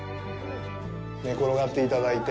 寝転がっていただいて。